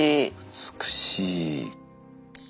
美しい。